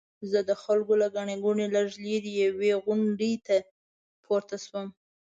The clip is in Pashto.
زه د خلکو له ګڼې ګوڼې لږ لرې یوې غونډۍ ته پورته شوم.